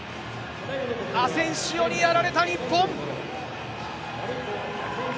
アセンシオにやられた日本。